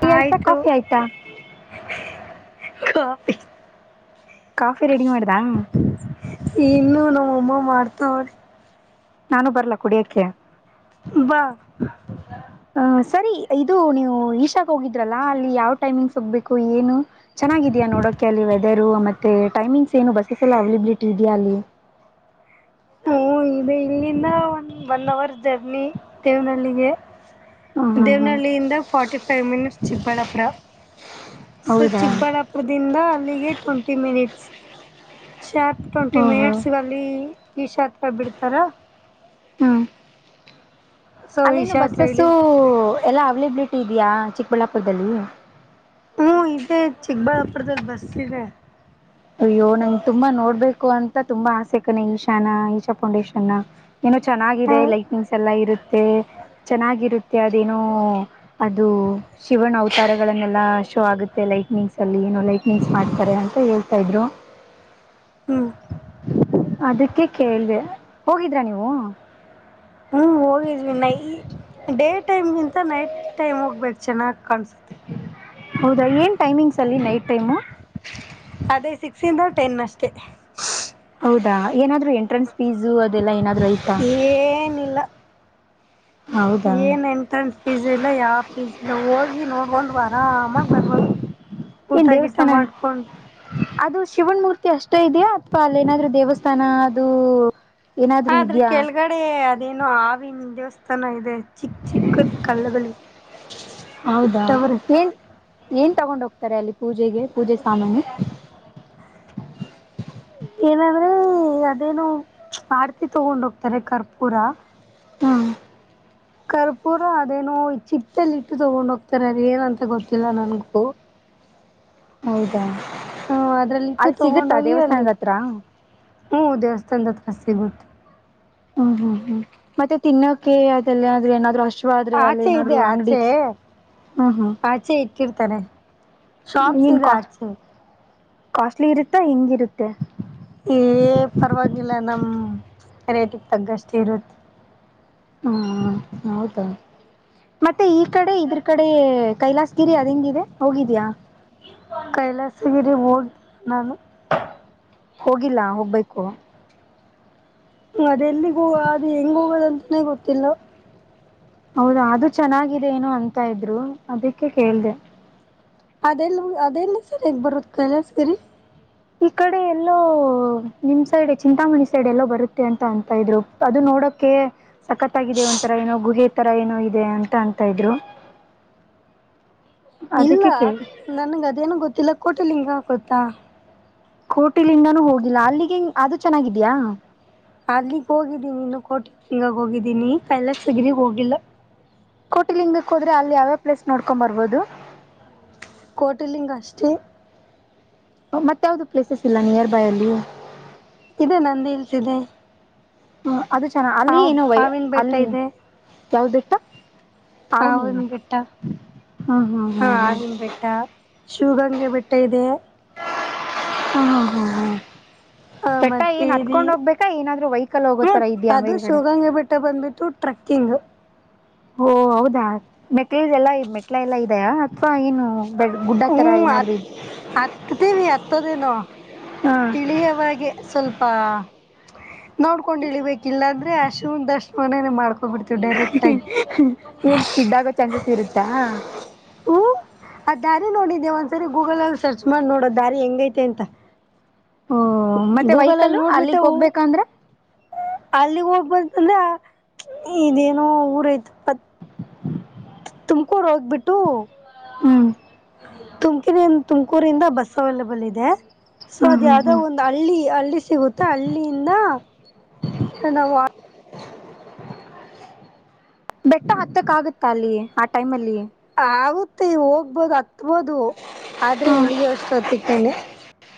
Tea ಆಯ್ತಾ ಆಯ್ತು coffee ಆಯ್ತಾ ಕಫಿ ಕಫಿ ರೆಡಿ ಮಾಡಿದಾ ಇನ್ನು ನಮ್ಮಅಮ್ಮ ಮಾಡ್ತಾವ್ರ ನಾನು ಬರ್ಲ್ಲಾ ಕುಡಿಯಕ್ಕೆ ಬಾ ಹ ಸರಿ ಇದು ನೀವು ಈಶಾಾಗ ಹೋಗಿದ್ರಲ್ಲಾ ಅಲ್ಲಿ ಯಾವ್ ಟೈಮಿಂಗ್ ಸ ಹೋಗಬೇಕು ಏನು ಚೆನ್ನಾಗಿದೆಯಾ ನೋಡೋಕ್ಕೆ ಅಲ್ಲಿ ವೆದರು ಮ ಮತ್ತುೆ ಟೈಮಿಂಗ್ಸ್ ಏನು ಬಸಸ್ಸ ಎಲ್ಲ ಅವೈಲೆಬಿಲಿಟಿ ಇದೆಯಾ ಅಲ್ಲಿ ಹ್ಮ ಇದೆ ಇಲ್ಲಿಂದ ಒಂದ ಒನ್ ಅವರ್ ಜರ್ನಿ ದೇವನಹಳ್ಳಗೆ ಹ್ಮ್ ಹ್ಮ್ ಹ್ಮ್ ದೇವ್ನಹಳ್ಳಿಯಿಂದ forty five minutes Chikkaballapur so ಹೌದಾ ಚಿಕ್ಕಬಳ್ಳಾಪುರದಿಂದ ಅಲ್ಲಿಗೆ ಟ್ವೆಂಟಿ ಮಿನಿಟ್ಸ್ ಶಾಪ್ ಟ್ವೆಂಟಿ ಹ್ಮ್ ಹ್ಮ್ ಮಿನಿಟ್ಸ್ಲ್ಲಿ ಈ ಶಾತ್ರ ಬಿಡ್ತಾರ ಹಾ ಸೊ ಅಲ್ಲೇನು ಈಶಾ ಹತ್ರ ಬಸ್ಸಸ್ಸು ಇಳಿ ಎಲ್ಲ ಅವೈಲಬಿಲಿಟಿ ಇದೆಯಾ ಚಿಕ್ಕಬಳ್ಳಾಪುರದಲ್ಲಿ ಹ್ಞೂ ಇದೇ ಚಿಕ್ಕಬಳ್ಳಾಪುರದಲ್ಲಿ ಬಸ್ ಇದೆ ಅಯ್ಯೋ ನಂ ತುಂಬಾ ನೋಡ್ಬೇಕು ಅಂತ ತುಂಬಾ ಆಸೆ ಕನೆ ಈಶಾನ ಈಶಾ ಫೌಂಡೇಶನ್ನ ಏನೋ ಹ್ಞೂ ಚೆನ್ನಾಗಿದೆ ಲೈಟ್ನಿಂಗ್ಸ್ ಎಲ್ಲ ಇರುತ್ತೆ ಚೆನ್ನಾಗಿರುತ್ತೆ ಇತ್ಯಾದೇನೋ ಅದು ಶಿವನ್ ಅವತಾರಗಳನ್ನೆಲ್ಲ ಶೋ ಆಗುತ್ತೆ ಲೈಟ್ನಿಂಗ್ಸ್ ಅಲ್ಲಿ ಏನೋ ಲೈಟ್ನಿಂಗ್ಸ್ ಮಾಡ್ತಾರೆ ಅಂತ ಹೇ ಸಬ್ರೋ ಹ್ಮ್ ಅದಕ್ಕೆ ಕೇೇಳವೆ ಹೋಗಿದ್ರಾ ನೀವು ಹ್ಮ್ ಹೋಗಿದ್ವಿ ನೈ ಡೇ ಟೈಮ್ಗಿಂತ ನೈಟ್ ಟೈಮ್ ಹೋಗ್ಬೇಕು ಚೆನ್ನಾಗ್ ಕಾಣಸ ಹೌದಾ ಏನ್ ಟೈಮಿಂಗ್ಸ್ ಅಲ್ಲಿ ನೈಟ್ ಟೈಮು ಅದೇ ಸಿಕ್ಸಿಂದ ಟೆನ್ ಅಷ್ಟೇ ಹೌದಾ ಏನಾದ್ರು ಎಂಟ್ರನ್ಸ್ ಫೀಸು ಅದೆಲ್ಲ ಏನಾದ್ರು ಐತ ಏನಿಲ್ಲ ಹೌದಾ ಏನ್ ಎಂಟ್ರೆನ್ ಫೀಜ್ ಇಲ್ಲ ಯಾವ ಫೀಜ್ ಇಲ್ಲ ಹೋಗಿ ನೋಡ್ಕೊಂಡ್ ಬಾರ ಹಾ ಅಮ್ಮಾಗ ಬರ್ಬೋದು ಊಟ ಏನ್ ಗಿಟ ದೇವಸ್ಥಾನ ಮಾಡ್ಕೊಂಡ್ ಅದು ಶಿವನ್ ಮೂೂರ್ತಿ ಅಷ್ಟೇ ಇದೆಯಾ ಅಥವಾ ಅಲ್ಲೇಏನಾದ್ೂ ದೇವಸ್ಥಾನ ಅದು ಏನಾದ್ರೂ ಆದ್ರ ಇದ್ಯಾ ಕೆಳಗಡೆ ಅದೇನು ಆವಿನ ದೇವಸ್ಥಾನ ಇದೆ ಚಿಕ್ಕ ಚಿಕ್ಕ ಕಲ್ಲಗಳಿಗೆ ಹೌದಾ ಏನ್ ಏನ್ ತಗೊಂಡ್ ಹೋಗ್ತಾರೆ ಅಲ್ಲಿ ಪೂಜೆಗೆ ಪೂಜೆ ಸಾಮಾನಿ ಏನಂದ್ರೆ ಅದೇನು ಆಡ್ತಿ ತಗೊಂಡ ಹೋಗ್ತಾರೆ ಕರ್ಪೂರ ಹಾ ಕರ್ಪೂರ ಅದೇನು ಚಿಟ್ಟಲ್ಲಿ ಇಟ್ಟು ತಗೊಂಡ್ ಹೋಗ್ತಾರೆ ಅದ ಏನಂತ ಗೊತ್ತಿಲ್ಲ ನನ್ಗೂ. ಹೌದಾ ಹ್ಮ ಅದ್ರಲ್ಲಿ ಇಟ್ಟು ಅಲ್ಲಿ ತಗೊಂಡ ಸಿಗುತ್ತಾ ಹೋಗಿ ಅಲ್ಲಿ ದೇವಸ್ಥಾನದ ಹತ್ರ ಹ್ಮ್ ಹ್ಮ ದೇವಸ್ಥಾನದ ಹತ್ರ ಸಿಗುತ್ತೆ. ಹ್ಮ್ ಹ್ಮ್ ಹ್ಮ್ ಮತ್ತೆ ತಿನ್ನೋಕ್ಕೆೆ ಅದೆಲ್ಲ ಆದ್ರೆ ಏನಾದ್ರು ಅಷ್ಟ ಅಲ್ಲಿ ಆಚೆ ಇದೆ ಆಚೆ ಹ್ಮ ಹಾ ಆಚೆ ಇಕಿರ್ತಾರೆ ಶಾಪ್ಸ್ ಏನ್ ಇದೆ ಕಾಸ್ ಆಚೆ. ಕಾಸ್ಟ್ಲಿ ಇರುತ್ತ ಹಿಂಗ್ ಇರುತ್ತೆ. ಎ ಪರವಾಗಿಲ್ಲ ನಮ್ ರೇಟಿಗ್ ತಗ್ಗಷ್ಟು ಇರುತ್ತೆ. ಹ್ಮ ಹೌದ ಮತ್ತೆ ಈ ಕಡೆ ಇದ್ರ ಕಡೆ ಕೈಲಾಸ್ - ಗಿರಿ ಅದ್ ಹೆಂಗ್ ಇದೆ ಹೋಗಿದ್ಯಾ. ಕೈಲಾಸಗಿರಿ ಹೋಗ್ ನಾನು. ಹೋಗಿಲ್ಲ ಹೋಗ್ಬೇಕು. ಹು ಅದೆಲ್ಲಿಗುವ ಅದ್ ಹೆಂಗ್ ಹೋಗೋದಂತಾನೇ ಗೊತ್ತಿಲ್ಲ. ಹೌದಾ ಅದು ಚೆನ್ನಾಗಿದೆ ಏನೋ ಅಂತ ಇದ್ರು ಅದಿಕ್ಕೆ ಕೇಳ್ದೆ. ಅದೆಲ್ಲೋ ಅದೆಲ್ಲ ಸರಿಯಾಗ್ ಬರುತ್ ಕೈಲಾಸ್ ಗಿರಿ. ಈ ಕಡೆ ಎಲ್ಲೋ ನಿಮ್ ಸೈಡ್ ಚಿಂತಾಮಣಿ ಸೈಡ್ ಎಲ್ಲೋ ಬರುತ್ತೆ ಅಂತ ಇದ್ರು. ಅದು ನೋಡಕ್ಕೆ. ಸಕ್ಕತಗಿದೆ ಒಂಥರ ಏನೋ ಗುಹೆ ತರ ಏನೋ ಇದೆ ಅಂತ ಅಂತ ಇದ್ರು. ಅದಿಕ್ಕೆ ಕೇಳ್ದೆ. ನನ್ಗ ಅದೇನೋ ಗೊತ್ತಿಲ್ಲ ಕೊಟಿ ಲಿಂಗ ಗೊತ್ತಾ. ಕೋಟಿಲಿಂಗಾನೂ ಹೋಗಿಲ್ಲ ಅಲ್ಲಿಗೆ ಅದು ಚೆನ್ನಾಗಿದ್ಯಾ. ಅಲ್ಲಿಗ್ ಹೋಗಿದ್ದೀನಿ ಇನ್ನು ಕೋಟಿ ಲಿಂಗಗ್ ಹೋಗಿದ್ದೀನಿ ಕೈಲಾಸಗಿರಿ ಹೋಗಿಲ್ಲ. ಕೋಟಿ ಲಿಂಗಕ್ಕೆ ಹೋದ್ರೆ ಅಲ್ಲಿ ಯಾವ್ ಯಾವ್ ಪ್ಲೇಸ್ ನೋಡ್ಕೊಂಬರ್ಬೋದು. ಕೋಟಿಲಿಂಗ ಅಷ್ಟೇ. ಮತ್ ಯಾವ್ದ ಪ್ಲೇಸಸ್ ಇಲ್ಲ ನಿಯರ್ ಬೈ ಅಲ್ಲಿ. ಇದೆ ನಂದಿ ಹಿಲ್ಸ್ ಇದೆ. ಹ್ಮ ಅದು ಚೆನ ಅಲ್ಲಿ ಹಾವ್- ಏನೊ ವೈ ಹಾವಿನ ಬೆಟ್ಟ ಅಲ್ಲಿ ಇದೆ ಯಾವ್ ಬೆಟ್ಟ. ಅವ್ನಿ ಆವಿನ ಬೆಟ್ಟ ಹ್ಮ್ ಹ್ಮ್ ಹ್ಮ್ ಹ್ಮ್ ಟ ಶಿವಗಂಗೆ ಬೆಟ್ಟ ಇದೆ. ಹಾ ಹಾ ಹಾ ಹಾ ಆ ಬೆಟ್ಟ ಮತ್ತೆ ಏನ್ ಇದು ಹತ್ಕೊಂಡ್ ಹೋಗ್ಬೇಕಾ ಏನಾದ್ರು ವೈಕಲ್ ಹೋಗೋತರ ಇದ್ಯಾ ಮೇಲ್ಗಡೆ. ಹಂಗೆ ಬೆಟ್ಟೆ ಬಂದ್ಬಿಟ್ಟು. ಟ್ರಕ್ಕಿಂಗ್. ಓ ಹೌದಾ ಮೆಟ್ಲ್ ಎಲ್ಲ ಮೆಟ್ಲ ಎಲ್ಲಾ ಇದೆಯ ಅಥವಾ ಏನು. ಗುಡ್ಡ ತರ ಹ್ಮ್ ಏನಾದ್ರೂ ಅತ್ ಇದ್ಯಾ ಹತ್ತೀವಿ [unintelligible] ಹಾ ಇಳಿವಾಗೇ ಸ್ವಲ್ಪ ನೋಡ್ಕೊಂಡ್ ಇಳಿಬೇಕ್ ಇಲ್ಲ ಅಂದ್ರೆ ಅ ಶಿವ್ನ ದರ್ಶನನೇ. ಮಾಡ್ ಹಾ ಹ ಏನ್ ಸ್ಕಿಡ್ ಆಗೋ ಚಾನ್ಸಸ್ ಇರುತ್ತಾ. ಓ ಆ ದಾರಿ ನೋಡಿದ್ಯ ಒಂದ್ಸರಿ ಗೂಗಲ್ಲ್ಲಿ ಸರ್ಚ್ ಮಾಡ್ ನೋಡು ಆ ದಾರಿ ಹೆಂಗೈತೆ ಅಂತ. ಓ ಮತ್ತೆ ವೈಕಲ್ ಅಲ್ಲಿಗ್ ಹೋಗ್ಬೇಕು ಅಂದ್ರೆ. ಅಲ್ಲಿಗ್ ಹೋಗ್ಬೇಕು ಅಂದ್ರ ಇದೇನೋ ಊರಐತಪ್ಪ. ತುಮಕೂರು ಹೋಗ್ಬಿಟ್ಟು. ಹ್ಮ್ ತುಮಕಿರ್ ತುಮಕೂರಿಂದ ಬಸ್ ಅವೈಲಬಲ್ ಇದೆ ಸೊ ಹ್ಮ್ ಅದ್ ಹ್ಮ್ ಯಾವ್ದೋ ಹ್ಮ್ ಒಂದು. ಅಲ್ಲಿ ಅಲ್ಲಿ ಸಿಗುತ್ತೆ ಅಲ್ಲಿಯಿಂದ. [unintelligible] ಎ ನಾವ್ ಬೆಟ್ಟ ಹತ್ತಕ್ಕ ಆಗುತ್ತಾ ಅಲ್ಲಿ ಆ ಟೈಮ್ ಅಲ್ಲಿ ಆಗುತ್ತೆ ಹೋಗ್ಬೋದು ಹತ್ಬೋದು ಆದ್ರೆ ಹ್ಮ್ ಇಲ್ಲಿಗ ಅಷ್ಟು ಅತ್ತ ಕಣೆ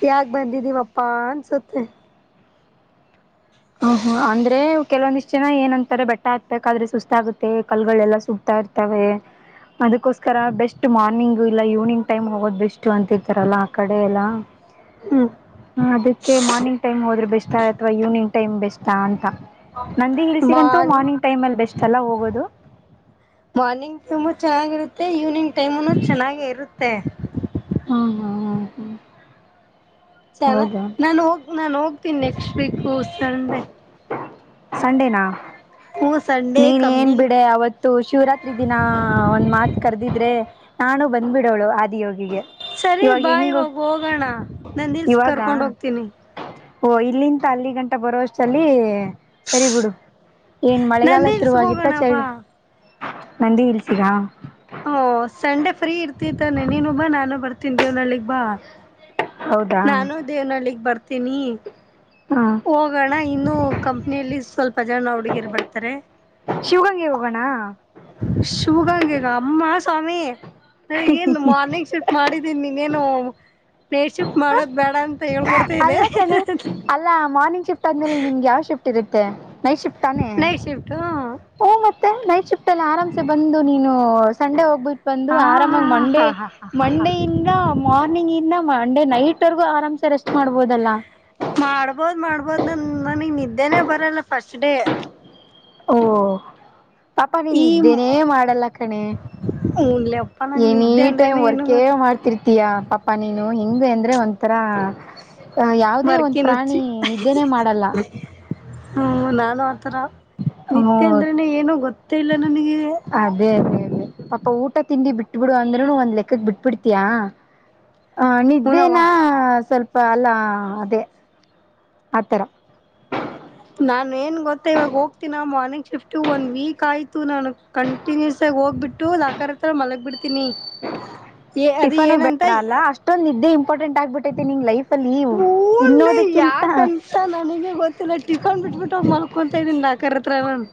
ಯಾಾಗ ಬಂದಿದ್ದೀವಪ್ಪಾ ಅನ್ಸುತ್ತೆ ಹ್ಮ್ ಹ್ಮ್ ಅಂದ್ರೆ ಕೆಲವಂದಿಷ್ಟ ಜನ ಏನ ಅಂತಾರೆ ಬೆಟ್ಟ ಹಾಕ್ಬೇಕಾದ್ರೆ ಸುಸ್ತ ಆಗುತ್ತೆ ಕಲ್ಗಳೆಲ್ಲ ಸುಗ್ತಾ ಇರ್ ತವೆೇ ಅದಕ್ಕೋಸ್ಕರ ಬೆಸ್ಟ್ ಮಾರ್ನಿಂಗ್ ಇಲ್ಲ ಈವ್ನಿಂಗ್ ಟೈಮ್ ಹೋಗೋ್ ಬೆಸ್ಟ್ ಅಂತಿರ್ತಾರಲ್ಲ ಆ ಕಡೆ ಎಲ್ಲಾ [inaudible] ಹ್ಮ್ ಹ ಅದಕ್ಕೆ ಮಾರ್ನಿಂಗ್ ಟೈಮ್ ಹೋದ್ರೆ ಬೆಸ್ ಅಥವಾ ಈವ್ನಿಂಗ್ ಟೈಮ್ ಬೆಸ್ಾ ಅಂತ ನಂದಿ ಹಳ್ಸಗಂತೂ ಮಾನ್ ಮಾರ್ನಿಂಗ್ ಟೈಮ್ ಅಲ್ಲಿ ಬೆಸ್ಟ್ ಅಲ್ಲ ಹೋಗೋದು ಮಾರ್ನಿಂಗ್ ತುಂಬಾ ಚೆನ್ನಾಗಿರುತ್ತೆ ಈವ್ನಿಂಗ್ ಟೈಮುನು ಚೆನ್ನಾಗ ಇರುತ್ತೆ ಹಾ ಹಾ ಹಾ ಹಾ ಚೆನ ನಾನನ್ ಹೋಗ ನಾನನ್ ಹೋಗ್ತೀನಿ ನೆಕ್ಸ್ಟ್ ವೀಕ್ ಸಂಡೆ ಸಂಡೇನಾ ಹ್ಞೂ ಸಂಡೇ ನೀನ್ ಏನ್ ಕಂಪ್ನಿಲಿ ಬಿಡ ಅವತ್ತು ಶಿವರಾತ್ರಿ ದಿನ ಒಂದ್ ಮಾತ್ು ಕರೆದಿದ್ರೆ ನಾನು ಬಂದ್ಬಿಡೋಳು ಆದಿಯೋಗಿಗೆ ಸರಿ ಇವಾಗ ಬಾಯ್ ಹೆಂಗು ಒೋಗ ಹೋಗೋಣ ನಂದ ದಲ್ಸ ಇವಾಗ ಕರ್ಕೊಂಡ್ ಹೋಗ್ತೀನಿ ಓ ಇಲ್ಲಿಂತ ಅಲ್ಲಿ ಗಂಟ ಬರೋಷ್ಟಲ್ಲಿ ಸರಿ ಬಿಿಡು ಏನ್ ಮಳೆಗಾಲ ನಂದಿಲ್ಸ್ಗ್ ಹೋಗೋಣ ಶುರುವಾಗಿತ್ತ ಚ ಬಾ ನಂದಿ ಇಲ್ಸರಾ ಹ ಸಂಡೆ ಫ್ರೀ ಇರ್ತ ತಾನೆ ನೀನು ಬಾ ನಾನು ಬರ್ತನ್ ದೇವ್ನಲ್ಲಿಗ್ ಬಾ ಹೌದಾ ನಾನು ದೇವನಹಳ್ಳಗ್ ಬರ್ತೀನಿ ಹಾಂ ಹೋಗೋಣ ಇನ್ನು ಕಂಪ್ನಿಯಲ್ಲಿ ಸ್ವಲ್ಪ ಜನ ಹುಡುಗೀರ್ ಬರ್ತಾರೆ ಶಿವಗಂಗೆ ಹೋಗೋಣ ಶಿವಗಂಗಗ ಅಮ್ಮ ಸ್ವಾಮಿ ನನಗ ಏನು ಮಾರ್ನಿಂಗ್ ಸ ಮಾಡಿದ್ದೀನಿ ನೀನೇನು ೇರ್ಶಿಪ್ ಮಾಡೋದ್ ಬೇಡ ಅಂತ ಹೇಳ್ಕೊಡ್ತಾ ಇದೆ ಅಲ್ಲ ಕಣೆ ಅಲ್ಲ ಮಾರ್ನಿಂಗ್ ಶಿಫ್ಟ್ ಆದ್ಮೇಲೆ ನಿಮ್ಗೆ ಯಾವ ಶಿಫ್ಟ್ ಇರುತ್ತೆ ನೈಟ್ ಶಿಫ್ಟ್ಾನೇ ಚಬಟ್ಟು ಹಓ ಮತ್ತೆ ನೈಟ್ ಚುಟ್ಟಲ್ಲಿ ಆರಾಮ್ಸೆ ಬಂದು ನೀನು ಸಂಡೆ ಹೋಗ್ಬಿಟ್ಟು ಬಂದು ಹಾ ಹಾ ಆರಾಮಾಗಿ ಮಂಡೇ ಹಾ ಹಾ ಹಾ ಮಂಡೇ ಇಿಂದ ಮಾರ್ನಿಂಗ್ ಇನ್ನ ಮಂಡೆ ನೈಟ್ವರೆಗೂ ಆರಾಮ್ಸೆ ರೆಸ್ಟ್ ಮಾಡ್ಬೋದಲ್ಲಾ ಮಾಡ್ಬೋದ ಮಾಡ್ಬೋದು ನ ನನಗ್ ನಿದ್ದೆನೇ ಬರಲ್ಲ ಫಸ್ಟ್ ಡೇ ಓ ಪಾಪ ನೀನ್ ಈ ಇದ್ದೇನೆೇ ಮಾಡಲ್ಲ ಕಣೆ ನ್ಲೆಪ್ಪ ನಂಗ್ ಎಏನಿ ನಿದ್ದೆ ಟೈಮ್ ಅಂದ್ರೇನೆ ಏನು ವರ್ಕೇ ಗೊತ್ ಮಾಡ್ತಿರ್ ಿಯ ಪಾಪ ನೀನು ಹೆಂಗ ಅಂದ್ರೆ ಒಂಥರ ಅ ಯಾವವುದೇ ಒಂದ್ ಬರ್ಕಿನ್ ಹುಚ್ಚಿ ಪ್ರಾಣಿ ನಿದ್ದೆನೇ ಮಾಡಲ್ಲ ಹ್ಮ ನಾನು ಆತರ ಹ್ಮ ನತ್ಯೆ ಅಂದ್ರನೆ ಏನು ಗೊತ್ತೇ ಇಲ್ಲ ನನಗೆ ಅದೇ ಅದೇ ಅದೇ ಪಾಪ ಊಟ ತಿಂಡಿ ಬಿಟ್ಬಿಡು ಅಂದ್ರರುನು ಒಂದ್ ಲೆಕ್ಕಕ್ ಬಿಟ್ಬಿಡ್ತಯಾ ಹ ಹೂನವ್ವ ನಿದ್ದೇನ ಸ್ವಲ್ಪ ಅಲ್ಲ ಅದೇ ಆಥರ ನಾನನ್ ಏನ್ ಗೊತ್ತ ಇವಾಗ ಹೋಗ್ತೀನ ಮನ ಫ್ಟು ಒಂದು ವೀಕ್ ಆಯಿತು ನಾನು ಕಂಟಿನ್ಯೂಸ ಆಿ ಹೋಗಿಬಿಟ್ಟು ಅ ಆಾಕಾರಾರ್ ಹತ್ರ ಮಲಗ್ ಬಿಿಡ್ತೀನಿ ಅದು ಏನಂತ ಇಷ್ಟೊಂದ ಇದ್ದೇ ಇಂಪಾರ್ಟೆಂಟ್ ಆಗ್ಬಿಟ್ಟೈತಿ ನಿಂಗ ಲೈಫ್ ಅಲ್ಲಿ ತಿನ್ನೋದಕ್ಕಿಂತ ಸಾ ನನಗೆ ಗೊತ್ತಿಲ್ಲ ಟಫನ್ ಬಿಟ್ಬಿಟ್ಟು ಹೋಗ ಮಲ್ಕೊಂತತ ಇದ್ದನಿ ನಾಕತ್ರ ನಾನ್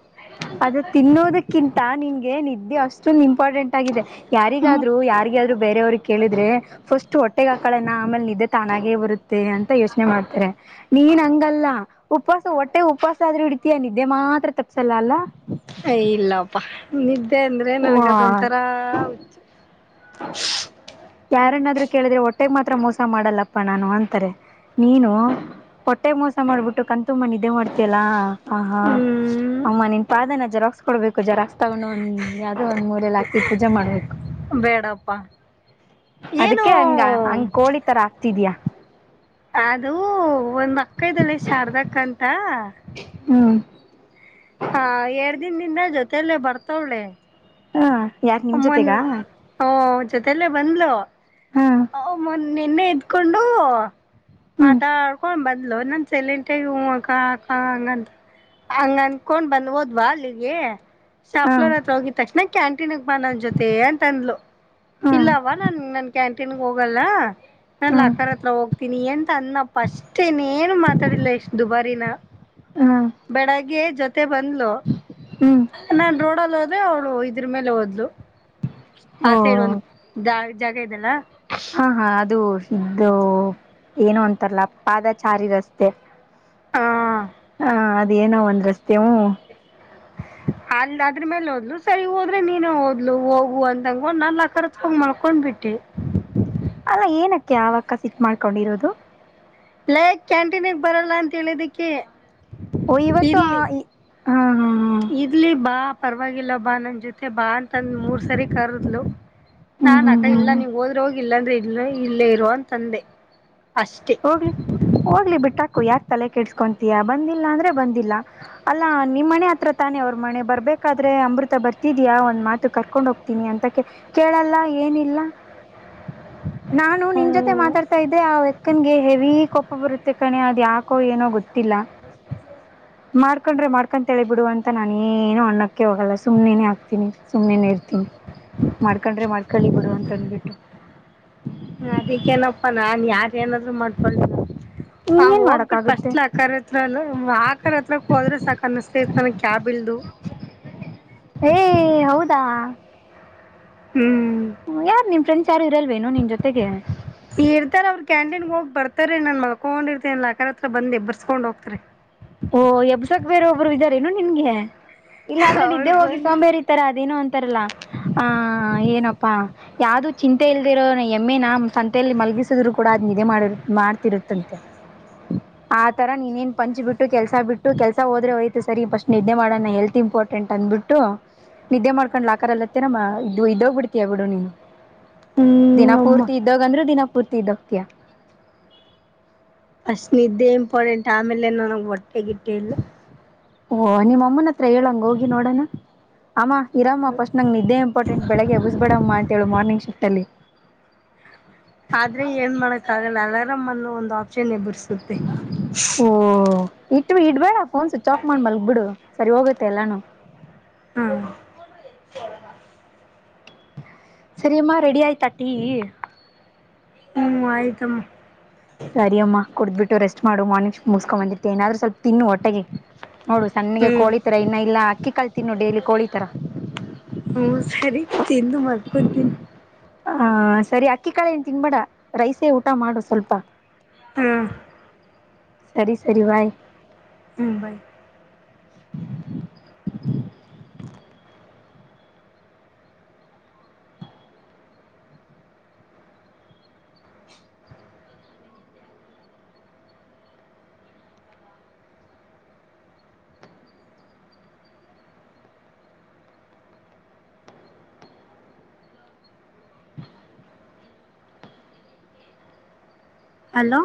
ಅದು ತಿನ್ನೋದಕ್ಕಿಂತ ನಿನ್ಗೆ ನಿದ್ದೆ ಅಷ್ಟು ಅಷ್ಟೊಂದು ಇಂಪಾರ್ಟೆಂಟ್ ಆಗಿದೆ ನಾನು ಯಾರಿಗಾದ್ರು ಯಾರಿಗಾದ್ರೂ ಬೇರೆೆಯವ್ರಿಗೆ ಕೇಳಿದ್ರೆ ಫಸ್ಟ್ ಅಷ್ಟು ಹೊಟ್ಟೆಗೆ ಹಾಕಳಣ ಆಮೇಲೆ ನಿದ್ದೆ ತಾನಾಗೇ ಬರುತ್ತೆ ಅಂತ ಯೋಚನೆ ಮಾಡ್ತಾರೆ ನೀನ್ ಹಂಗಲ್ಲ ಉಪವಾಸ ಹೊಟ್ಟೆ ಉಪವಾಸ ಆದ್ರೂ ಹಿಡಿತಿಯಾ ನಿದ್ದೆ ಮಾತ್ರ ತಪ್ಸಲ್ಲ ಅಲ್ಲ ಇಲ್ಲಪ್ಪಾ ನಿದ್ದೆ ಅಂದ್ರೆ ವಾ ನನ್ಗ ಅದೊಂತರ ಯಾರನ್ನಾದ್ರು ಕೇಳಿದ್ರೆ ಒಟ್ಟೆಗೆ ಮಾತ್ರ ಮೋಸ ಮಾಡಲ್ಲಪ್ಪಾ ನಾನು ಅಂತಾರೆ ನೀನು ಹೊಟ್ಟೆ ಮೋಸ ಮಾಡ್ಬಿಟ್ಟು ಕಣ್ಣು ತುಂಬ ನಿದ್ದೆ ಮಾಡ್ತಿಯಾಲ್ಲ ಹ ಹಾ ಹ್ಮ್ ಅಮ್ಮ ನಿನ್ ಪಾದನ ಜೆರಾಕ್ಸ ಕೊಡ್ಬೇಕು ಜೆರಾಕ್ ತಗೊಂಡು ಒಂದ್ ಯಾವ್ದದೋ ಒಂದ್ ಮೂರಲಿ ಹಾಕಿ ಪೂಜೆ ಮಾಡ್ಬೇಕು ಬೇಡಪ್ಪಾ ಅದಕ್ಕೆ ಹಂಗ ಹಂಗ್ ಕೋಳಿ ತರ ಆಗ್ತಿದ್ಯಾ ಅದು ಒಂದ್ ಮಕ [unintelligible] ಶಾರದಕ್ಂತ ಹ್ಮ ಹಾ ಎರಡ್ ದಿನದಿಂದ ಜೊತೆಯಲ್ಲೇ ಬರ್ತವಳೆ ಹಾ ಯಾಕ ನಿಮ್ ಜೊತೆಗ ಹ ಓ ಜೊತಲ್ಲೇ ಬಂದ್ಲು ಹಾ ಮೊ ನಿನ್ನೆ ಇದಕೊಂಡು ಹ್ಮ್ ಮಾತಾಡ್ಕೊಂಡ ಬದ್ಲು ನನ್ ಸೈಲೆಂಟ್ ಆಗಿ ಹೂ ಕಕ ಹಂಗಂತ ಹಂಗ ಅನ್ಕೊಂಡ್ ಬಂದ್ ಹೋದ್ವಾ ಅಲ್ಲಿಗೆ ಹಾ ಶಾಫಲೋರ್ ಹತ್ರ ಹೋಗಿದ ತಕ್ಷಣ ಕ್ಯಾಂಟಿ ಕಂಟೀನ್ ಬಾ ನನ್ ಜೊತೆ ಅಂತ ಅಂದ್ಲು ಹಾ ಇಲ್ಲವಾ ನನ್ ನನ್ ಕ್ಯಾಂಟೀನ್ಗ ಹೋಗಲ್ಲ ನಾನ ಹ್ಮ್ ಅಕ್ಕ ಹತ್ರ ಹೋಗ್ತೀನಿ ಎಂತ ಅನ್ನಪ್ಪ ಅಷ್ಟೇನೇನು ಮಾತಾಡಿಲ್ಲ ಎಷ್ಟ್ ದುಬಾರಿನ ಹ್ಮ ಬೆಳಗ್ಗೆ ಜೊತೆ ಬಂದ್ಲು ಹ್ಮ್ ನಾನ್ ರೋಡಲ್ಲಿ ಹೋದ್ರೆ ಅವ್ಳು ಇದ್ರ ಮೇಲೆ ಹೋದ್ಲು ಆ ಓ ಸೈಡ್ ಒಂದು ಜ ಜಾಗ ಇದೆಲ್ಲಾ ಹಾ ಹಾ ಅದು ಇದು ಏನೂ ಅಂತಾರಲ್ಲ ಪಾದಚಾರಿ ರಸ್ತೆ ಹಾ ಹಾ ಅದೇನೋ ಒಂದ್ ರಸ್ತೆ ಹೂ ಅಲ್ ಅದ್ರ ಮೇಲೆ ಹೋದ್ಲು ಸರಿ ಹೋದ್ರೆ ನೀನೇ ಹದ್ಲು ಹೋಗುವ ಅಂತಂಗೊಂಡ್ ನ ಆಕರ್ ಹ ಮಲ್ಕೊಂಡ್ಬಿಟ್ಟೆ ಅಲ್ಲ ಏನಕ್ಕೆ ಆವಕ್ಕ ಸಿಟ್ ಮಾಡ್ಕೊಂಡಿರೋದು ಲೈಕ್ ಕ್ಯಾಂಟೀನ್ಗೆ ಬರಲ್ಲ ಅಂತ ಹೇಳಿದಕ್ಕೆ ಓ ಇವತ್ತು ಇರ್ಲಿ ಆ ಈ ಹಾ ಹಾ ಹಾ ಇರ್ಲಿ ಬಾ ಪರವಾಗಿಲ್ಲ ಬಾ ನನ್ ಜೊತೆ ಬಾ ಅಂತಂದ ಮೂರ್ ಸರಿ ಕರದ್ಲು ಹ್ಮ್ ನಾನ್ ಹ್ಮ್ ಹ್ಮ್ ಅಕ್ಕ ಇಲ್ಲ ಹ್ಮ್ ನೀಂಗ ಹೋದ್ರೆ ಹೋಗಿ ಇಲ್ಲಾಂದ್ರೆ ಇಲ್ಲ ಇಲ್ಲೇ ಇರುವಂತಂದೆ ಅಷ್ಟೇ ಹೋಗ್ಲಿ ಹೋಗ್ಲಿ ಬಿಟ್ಟಾಕು ಯಾಕ ತಲೆ ಕೆಡ್ಸ್ಕೊತೀಯಾ ಬಂದಿಲ್ಲ ಅಂದ್ರೆ ಬಂದಿಲ್ಲ ಅಲ್ಲಾ ನಿಮ್ಮ ಮನೆ ಹತ್ರ ತಾನೆ ಅವ್ರ ಮನೆ ಬರ್ಬೇಕಾದ್ರೆ ಅಮೃತ ಬರ್ತಿದ್ಯಾ ಒಂದ್ ಮಾತು ಕರ್ಕೊಂಡ್ಗ ನಿ ಅಂತ ಕೇಳಲ್ಲ ಏನಿಲ್ಲ ನಾನು ನಿನ್ ಜೊತೆ ಹ್ಮ್ ಮಾತಾಡ್ತಾ ಇದ್ದೆ ಆ ನಂಗೆ ಹೆವಿ ಕೋಪ ಬರುತ್ತೆ ಕಣೆ ಅದ ಯಾಕೋ ಏನೋ ಗೊತ್ತಿಲ್ಲ ಮಾಡ್ಕೊಂಡ್ರೆ ಮಾಡ್ಕೊಂತಲೇ ಬಿಡು ಅಂತ ನಾನು ಏನು ಅಣ್ಣಕ್ಕೆ ಹೋಗಲ್ಲ ಸುಮ್ಮನೆೇ ಹಕ್ತೀನಿ ಸುಮ್ಮ್ನೆ ಇರ್ತೀನಿ ಮಾಡ್ಕೊಂಡ್ರೆ ಮಾಡ್ಕೊಳ್ಳಳಿ ಬಿಡು ಅಂತಂದ್ಬಿಟ್ಟು ಅದಕ್ಕೇನಪ್ಪಾ ನಾನ್ ಯಾರ ಏನಾದ್ರು ಮಾಡ್ಕೊಳ್ ಹ ಇನ್ನೇನ್ ಹೋಗ್ಬಿಟ್ಟ ಮಾಡಕ್ಕಾಗುತ್ತೆ ಫಸ್ಟ್ಲ್ ಆಕ ಹತ್ರ ಆಕ ಹತ್ರಕ್ ಹೋದ್ರೆ ಸಾಕ ಅನ್ನಿಸ್ತ ನನ್ ಕ್ಯಾಬ್ ಇಲ್ದು ಏ ಹೌದಾ ಹ್ಮ್ ಯಾರ ನಿ ಫ್ರೆಂಡ್ಸ್ ಯಾರು ಇರಲ್ವೇನೋ ನಿನ್ ಜೊತೆಗೆ ಈ ಇರ್ತಾರ ಅವ್ರು ಕ್ಯಾಂಟೀನ್ಗೆ ಹೋಗಿ ಬರ್ತಾರ ನಾನ್ ಮಲ್ಕೊಂಡ್ರ್ತೇನಲ್ಲ ಆಕರ ಹತ್ರ ಬಂದ ಎಬ್ಬರ್ಸ್ಕೊಂಡ್ ಹೋಗ್ತಾರೆ ಓಹ ಎಬ್ಸಕ್ ಬೇರೆ ಒಬ್ಬರು ಇದಾರೇನು ನಿನ್ಗೆ ಇಲ್ಲಾಂದ್ರೆ ನಿದ್ದೆ ಅವಳು ಹೋಗಿ ಬಂದು ಸೋಂಬೇರಿ ತರ ಅದೇನು ಅಂತಾರಲ್ಲ ಆ ಏನಪ್ಪಾ ಯಾವ್ದು ಚಿಂತೆ ಇಲ್ದಿರೋ ನ ಎಮ್ಮೆ ನ ಸಂತೆಯಲ್ಲಿ ಮಲ್ಗಿಸಿದ್ರು ಕೂಡ ಅದ್ ನಿದ್ದೆ ಮಾಡಿ ಮಾಡ್ತಿರುತ್ತಂತೆ ಆ ತರ ನೀನ್ನ್ ಪಂಚ್ ಬಿಟ್ಟು ಬಿ ಕೆಲ್ಸ ಬಿಟ್ಟ ಕೆಸ ಹೋದ್ರೆೋಯ್ತ ಸರಿ ಈ ಪಸ್ಟ್ ನಿದ್ದೆ ಮಾಡೋಣ ಹೆಲ್ತ್ ಇಂಪಾರ್ಟೆಂಟ್ ಅಂದ್ಬಿಟ್ಟು ನಿದ್ದೆ ಮಾಡ್ಕೊಂಡ್ ಲ ಆಕಾರಲ್ಲತ್ತೇ ನಮ್ಮ ಇದು ಇದೋಗ್ ಬಿಡ್ತೀಯ ಬಿಡು ನೀನು ಹ್ಮ್ ಅಮ್ಮ ದಿನಾಪೂರ್ತಿ ಇದ್ದಹೋಗ ಅಂದ್ರೂ ದಿನಾಪೂರ್ತಿ ಇದ್ದ ಹೋಗತಿಯಾ ಅಷ್ಟ ನಿದ್ದೇ ಇಂಪಾರ್ಟೆಂಟ್ ಆಮೇಲೆ ನನಗ್ ಹೋಟ್ಟೆಗಿಟ್ಟಿಲ್ಲ ಓಹ ನಿಮ್ಮ ಅಮ್ಮನ ಹತ್ರ ಹೇಳಂಗ ಹೋಗಿ ನೋಡೋಣ ಅಮ್ಮಾ ಇರಮ್ಮ ಫಸ್ಟ್ ನಂಗ ನಿದ್ದೆ ಇಂಪಾರ್ಟೆಟ್ ಬೆಳಗ್ಗೆ ಎಬಸಬೇಡಮ್ಮ ಅಂತೇಳ ಮಾರ್ನಿಂಗ್ ಶಿಫ್ಟ ಅಲ್ಲಿ ಆದ್ರೆ ಏನ್ ಮಾಡಕ್ ಆಗಲ್ಲ ಅಲ್ಲಾರಾಮ ಅನೂ ಒಂದು ಆಪ್ಷನ್ ಎಬರ್ಸುತ್ತೆ ಓಹ ಇಟ್ಟ ಇಡ್ಬೇಡ ಫೋನ್ ಸ್ವಿಚ್ ಆಫ್ ಮಾಡಿ ಮಲ್ಗ್ ಬಿಡು ಸರಿ ಹೋಗುತ್ತೆ ಎಲ್ಲಾನು ಹು ಸರಿಯಮ್ಮ ರೆಡಿ ಆಯ್ತಾ ಟೀ ಹ್ಮ್ ಆಯ್ತಮ್ಮ ಸರಿಯಮ್ಮ ಕುಡ್ಬಿಟ್ಟು ರೆಸ್ಟ್ ಮಾಡು ಮಾರ್ನಿಂಗ್ ಮುಗಸ್ಕೊ ಬಂದಿರ್ತತೆ ಏನಾದ್ರು ಸ್ವಲ್ಪ ತಿನ್ನು ಹೊಟ್ಟೆಗೆ ನೋಡು ಸಣ್ಣಗೆ ಹ್ಮ್ ಕೋಳಿತರ ಇನ್ನ ಇಲ್ಲ ಅಕ್ಕಿ ಕಾಳ ತಿನ್ನು ಡೈಲಿ ಕೋಳಿತರಾ ಹ್ಮ ಸರಿ ತಿಂದು ಮಲ್ಕೊತೀನಿ ಹ ಸರಿ ಅಕ್ಕಿ ಕಾಳ ಏನ್ ತಿನ್ಬೇಡ ರೈಸೇ ಊಟ ಮಾಡು ಸ್ವಲ್ಪಾ ಹ್ಮ್ ಸರಿ ಸರಿ ಬಾಯ್ ಹೂ ಬಾ ಹಲೋ